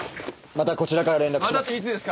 またこちらから連絡します。